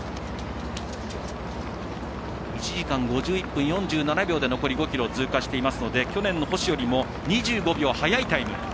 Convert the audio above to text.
１時間５１分４７秒で残り５ｋｍを通過していますので去年の星よりも２５秒、早いタイム。